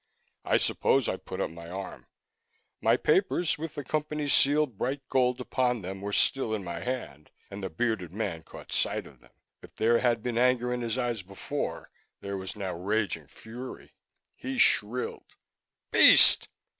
I suppose I put up my arm. My papers, with the Company seal bright gold upon them, were still in my hand, and the bearded man caught sight of them. If there had been anger in his eyes before, there was now raging fury. He shrilled, "Beast!